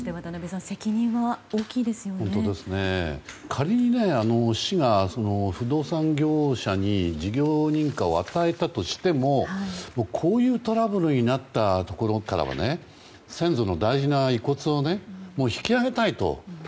仮に市が不動産業者に事業認可を与えたとしてもこういうトラブルになったところからは先祖の大事な遺骨を引き上げたいと。